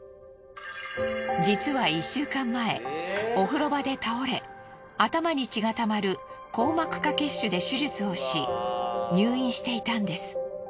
実は１週間前お風呂場で倒れ頭に血がたまる硬膜下血腫で手術をし入院していたんです。